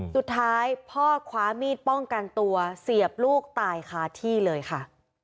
สุดท้ายพ่อคว้ามีดป้องกันตัวเสียบลูกตายคาที่เลยค่ะ